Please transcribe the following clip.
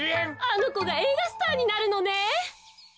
あのこがえいがスターになるのね。